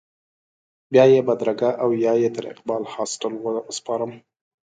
بیا یې بدرګه او یا یې تر اقبال هاسټل وسپارم.